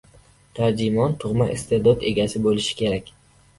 Tarjimon tug‘ma iste’dod egasi bo‘lishi kerak.